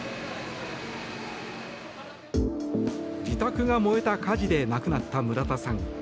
自宅が燃えた火事で亡くなった村田さん。